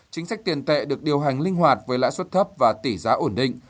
chính sách tiền tệ được điều hành linh hoạt với lãi suất thấp và tỷ giá ổn định